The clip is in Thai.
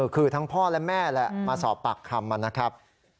คือทั้งพ่อและแม่แหละมาสอบปากคำนะครับ